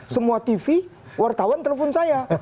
semua tv wartawan telepon saya